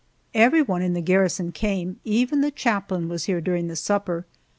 Everyone in the garrison came even the chaplain was here during the supper.